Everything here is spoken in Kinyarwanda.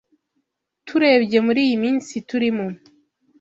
Turebye muri iyi minsi turimo